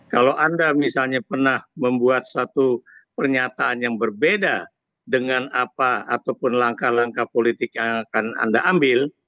kalau anda misalnya pernah membuat satu pernyataan yang berbeda dengan apa ataupun langkah langkah politik yang akan anda ambil